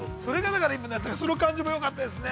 その感じもよかったですね。